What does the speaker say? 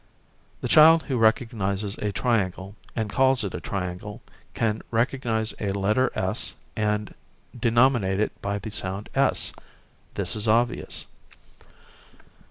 The child who recognises a triangle and calls it a triangle can recognise a letter s and denominate it by the sound s. This is obvious.